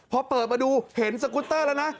เพราะพอเปิดมาดูเห็นสโค้เตอร์แล้วนะ